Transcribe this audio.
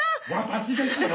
「私ですよ！」。